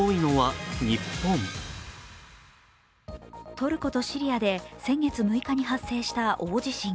トルコとシリアで先月６日に発生した大地震。